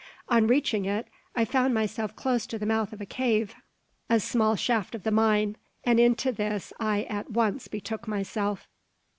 On reaching it, I found myself close to the mouth of a cave, a small shaft of the mine, and into this I at once betook myself.